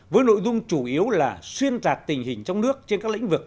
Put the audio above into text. với nội dung chủ yếu là xuyên tạc tình hình trong nước trên các lĩnh vực